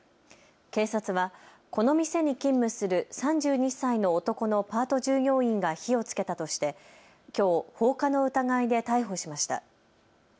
警察はこの店に勤務する３２歳の男のパート従業員が火をつけたとしてきょう放火の疑いで逮捕しました。